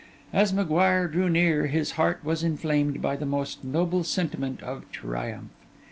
As M'Guire drew near his heart was inflamed by the most noble sentiment of triumph.